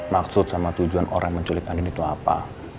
maksud sama tujuan orang menculik tante itu apa